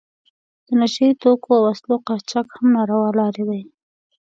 د نشه یي توکو او وسلو قاچاق هم ناروا لارې دي.